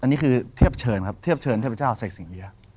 อันนี้คือเทพเชิญครับเทพเจ้าเศรษฐกิริยะ